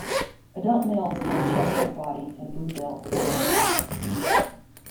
Adult males have a chestnut body, a blue bill and a black head.